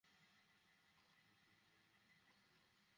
Corner থেকে ভেসে আসা বলে ভলি করে ওয়েস্ট হামকে ম্যাচে ফেরান কলিন্স।